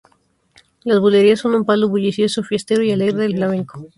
Las bulerías son un palo bullicioso, fiestero y alegre del flamenco.